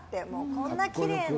こんなにきれいな。